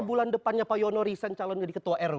bulan depannya pak yono riset calon jadi ketua rw